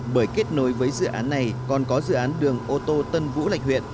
bởi kết nối với dự án này còn có dự án đường ô tô tân vũ lạch huyện